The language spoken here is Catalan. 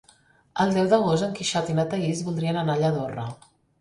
El deu d'agost en Quixot i na Thaís voldrien anar a Lladorre.